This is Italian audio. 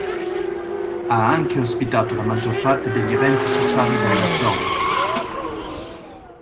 Ha anche ospitato la maggior parte degli eventi sociali della zona.